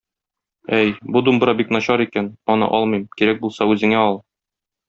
Әй, бу думбра бик начар икән, аны алмыйм, кирәк булса үзеңә ал!